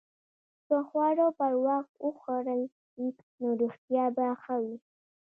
که خواړه پر وخت وخوړل شي، نو روغتیا به ښه وي.